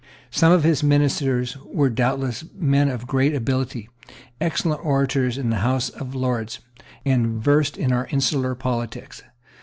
Some of his ministers were doubtless men of great ability, excellent orators in the House of Lords, and versed in our insular politics.